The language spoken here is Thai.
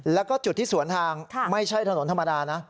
แล้วก็จุดที่สวนทางไม่ใช่ถนนธรรมดานะ